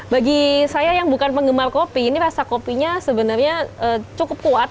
bagi saya yang bukan penggemar kopi ini rasa kopinya sebenarnya cukup kuat